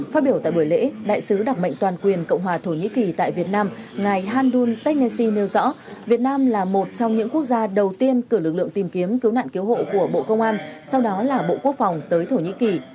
phát biểu tại buổi lễ đại sứ đặc mệnh toàn quyền cộng hòa thổ nhĩ kỳ tại việt nam ngài handul technesse nêu rõ việt nam là một trong những quốc gia đầu tiên cử lực lượng tìm kiếm cứu nạn cứu hộ của bộ công an sau đó là bộ quốc phòng tới thổ nhĩ kỳ